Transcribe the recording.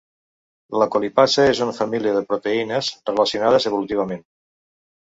La colipasa és una família de proteïnes relacionades evolutivament.